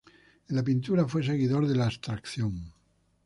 En la pintura fue seguidor de la abstracción.